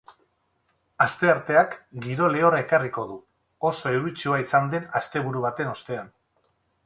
Astearteak giro lehorra ekarriko du, oso euritsua izan den asteburu baten ostean.